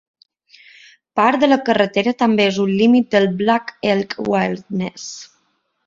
Part de la carretera també és un límit del Black Elk Wilderness.